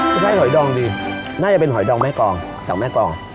จะได้หอยดองดีน่าจะเป็นหอยดองแม่กองจากแม่กอง